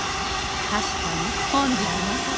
確かに本日のお宝